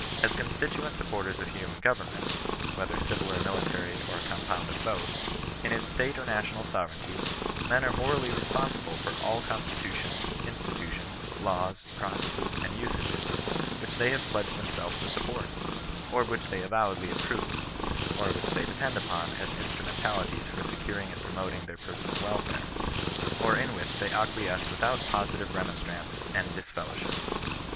As constituent supporters of human government, ( whe ther civil or military, or a compound of hoth^) in its state or national sovereignty, men are morally responsible for all constitutions, institutions, laws, processes, and usages, which they have pledged themselves to support, or which they avowedly approve, or which they depend upon as instrumentalities for securing and promoting their per sonal welfare, or in which they acquiesce without posi tive remonstrance and disfellowship.